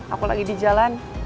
aku lagi di jalan